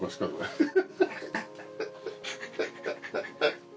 ハハハハ。